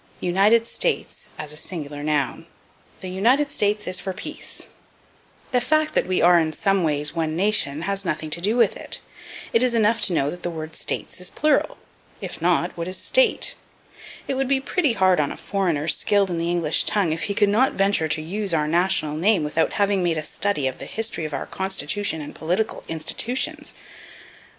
United States as a Singular Noun. "The United States is for peace." The fact that we are in some ways one nation has nothing to do with it; it is enough to know that the word States is plural if not, what is State? It would be pretty hard on a foreigner skilled in the English tongue if he could not venture to use our national name without having made a study of the history of our Constitution and political institutions.